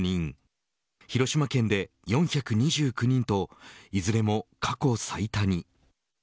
広島県で４２９人といずれも過去最多に。